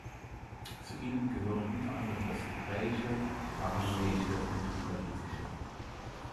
Zu ihnen gehören unter anderem das Hebräische, Aramäische und Ugaritische.